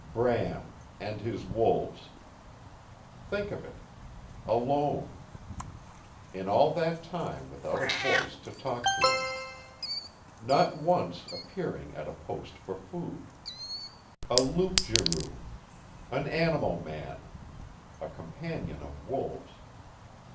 Bram AND HIS WOLVES! Think of it. Alone. In all that time without a voice to talk to him. Not once appearing at a post for food. A loup garou. An animal man. A companion of wolves.